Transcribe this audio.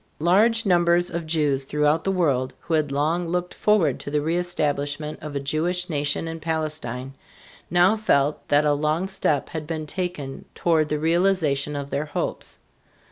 Large numbers of Jews throughout the world, who had long looked forward to the reëstablishment of a Jewish nation in Palestine, now felt that a long step had been taken toward the realization of their hopes.